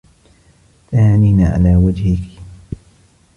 تهانينا على وجهك.